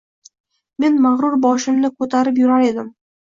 Men mag‘rur boshimni ko'tarin yurar edim